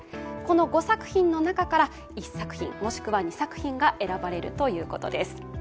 この５作品の中から１作品もしくは２作品が選ばれるということです。